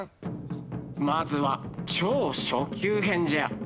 まずは超初級編じゃ。